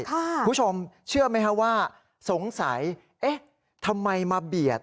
คุณผู้ชมเชื่อไหมครับว่าสงสัยเอ๊ะทำไมมาเบียด